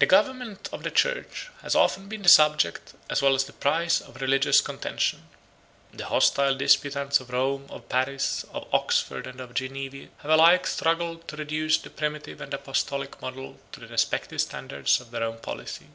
The government of the church has often been the subject, as well as the prize, of religious contention. The hostile disputants of Rome, of Paris, of Oxford, and of Geneva, have alike struggled to reduce the primitive and apostolic model 1041 to the respective standards of their own policy.